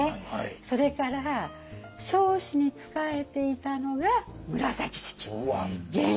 それから彰子に仕えていたのが紫式部。